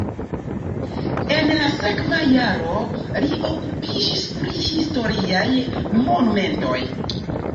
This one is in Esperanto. En la sekva jaro li okupiĝis pri historiaj monumentoj.